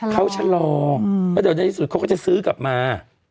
เขาชะลอแล้วเดี๋ยวในที่สุดเขาก็จะซื้อกลับมา